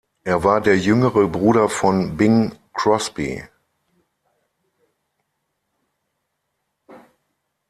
Er war der jüngere Bruder von Bing Crosby.